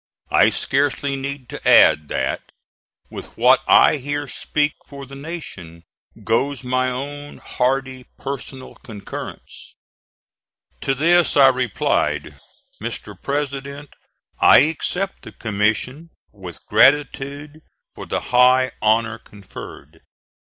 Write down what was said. I scarcely need to add, that, with what I here speak for the nation, goes my own hearty personal concurrence." To this I replied: "Mr. President, I accept the commission, with gratitude for the high honor conferred.